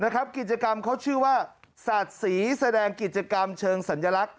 กิจกรรมเขาชื่อว่าศาสตร์ศรีแสดงกิจกรรมเชิงสัญลักษณ